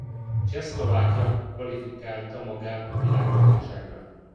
Csehszlovákia kvalifikálta magát a világbajnokságra.